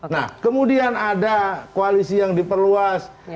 nah kemudian ada koalisi yang diperluas